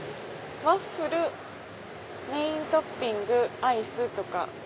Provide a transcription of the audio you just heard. ワッフルメイントッピングアイスとか。